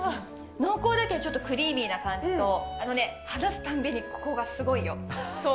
濃厚だけどちょっとクリーミーな感じと、話すたんびにここがそう。